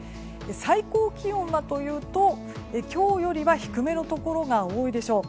最高気温はというと今日よりは低めのところが多いでしょう。